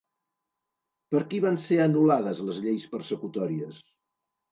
Per qui van ser anul·lades les lleis persecutòries?